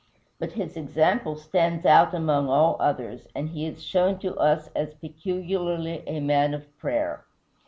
But his example stands out among all others, and he is shown to us as peculiarly a man of prayer.